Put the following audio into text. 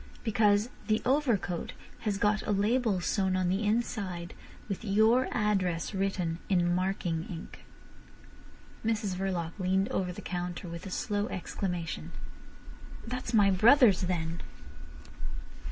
Because the overcoat has got a label sewn on the inside with your address written in marking ink." Mrs Verloc leaned over the counter with a low exclamation. "That's my brother's, then."